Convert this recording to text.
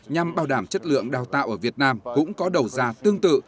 nhằm bảo đảm chất lượng đào tạo ở việt nam cũng có đầu ra tương tự